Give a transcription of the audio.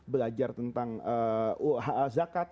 belajar tentang zakat